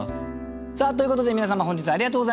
さあということで皆様本日はありがとうございました。